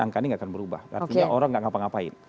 angka ini nggak akan berubah artinya orang nggak ngapa ngapain